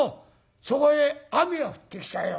そこへ雨が降ってきたよ。